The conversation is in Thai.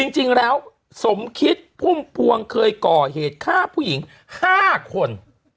จริงแล้วสมคิดพุ่มพวงเคยก่อเหตุฆ่าผู้หญิง๕คน